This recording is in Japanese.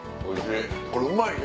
これうまいね。